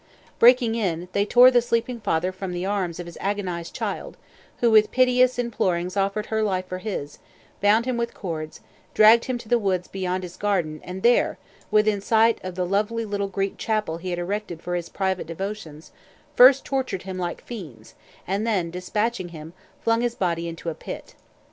Breaking in, they tore the sleeping father from the arms of his agonized child, who with piteous implorings offered her life for his, bound him with cords, dragged him to the woods beyond his garden, and there, within sight of the lovely little Greek chapel he had erected for his private devotions, first tortured him like fiends, and then, dispatching him, flung his body into a pit.